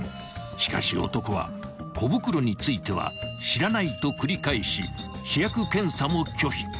［しかし男は小袋については「知らない」と繰り返し試薬検査も拒否］